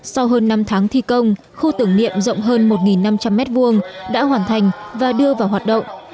sau hơn năm tháng thi công khu tưởng niệm rộng hơn một năm trăm linh m hai đã hoàn thành và đưa vào hoạt động